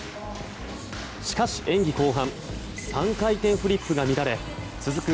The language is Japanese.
しかし演技後半３回転フリップが乱れ続く